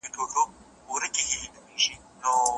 استادانو ته د څېړني د لوړ ارزښت په اړه بشپړ معلومات ورکړل سول.